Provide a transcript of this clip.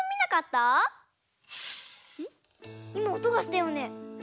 いまおとがしたよね。